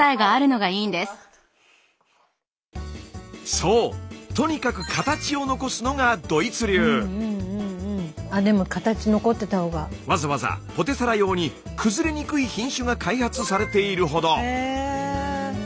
そうとにかくわざわざポテサラ用に崩れにくい品種が開発されているほど。